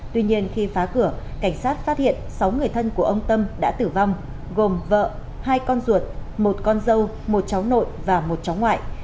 tuy nhiên khi phá cửa cảnh sát phát hiện sáu người thân của ông tâm đã tử vong gồm vợ hai con ruột một con dâu một cháu nội và một cháu ngoại